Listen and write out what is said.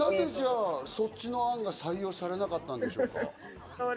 じゃあ、なぜそっちの案が採用されなかったんでしょうか？